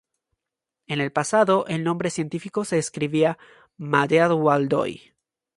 En el pasado el nombre científico se escribía "meade-waldoi".